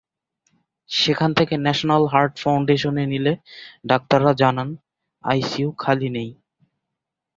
সেখান থেকে national heart ফাউন্ডেশনে নিলে ডাক্তাররা জানান, আইসিইউ খালি নেই।